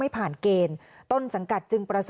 เผื่อ